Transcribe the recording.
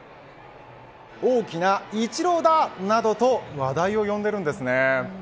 大きなイチローだ、などと話題を呼んでいるんですね。